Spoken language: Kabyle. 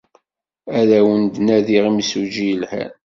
Ad awent-d-nadiɣ imsujji yelhan.